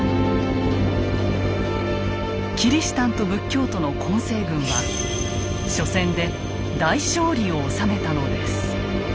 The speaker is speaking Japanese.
キリシタンと仏教徒の混成軍は初戦で大勝利を収めたのです。